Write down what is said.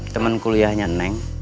temen kuliahnya neng